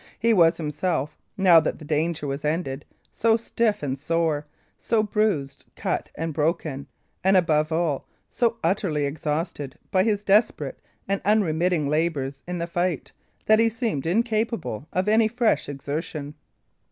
He was himself, now that the danger was ended, so stiff and sore, so bruised and cut and broken, and, above all, so utterly exhausted by his desperate and unremitting labours in the fight, that he seemed incapable of any fresh exertion.